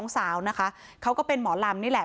สาวนะคะเขาก็เป็นหมอลำนี่แหละ